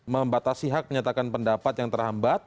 membatasi hak menyatakan pendapat yang terhambat